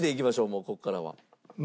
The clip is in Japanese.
もうここからは。